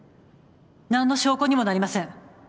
何の証拠にもなりません。